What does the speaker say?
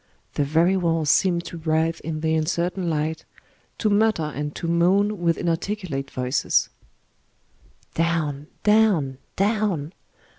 The very walls seem to writhe in the uncertain light, to mutter and to moan with inarticulate voices. 126 PARIS Down, down, down!